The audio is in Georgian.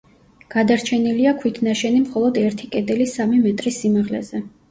გადარჩენილია ქვით ნაშენი მხოლოდ ერთი კედელი სამი მეტრის სიმაღლეზე.